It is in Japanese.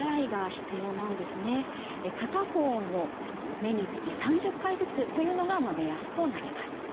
片方の目につき３０回ずつというのが目安となります。